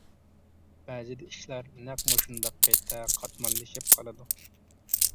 بەزىدە ئىشلار نەق مۇشۇنداق پەيتتە قاتماللىشىپ قالىدۇ.